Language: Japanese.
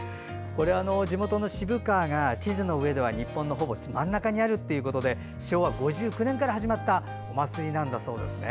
地元の渋川が、地図の上では日本のほぼ真ん中にあるということで昭和５９年から始まったお祭りなんだそうですね。